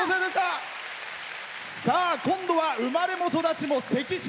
今度は生まれも育ちも関市。